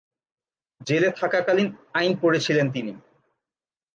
জেলে থাকাকালীন আইন পড়েছিলেন তিনি।